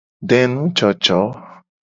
Denujojo.